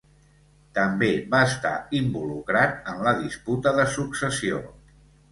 També va estar involucrat en la disputa de successió.